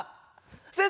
先生！